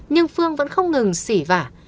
nhưng phương vẫn không ngừng xỉ vả